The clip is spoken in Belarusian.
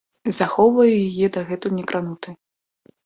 Захоўваю яе дагэтуль некранутай.